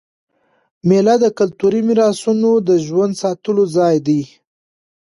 مېله د کلتوري میراثونو د ژوندي ساتلو ځای دئ.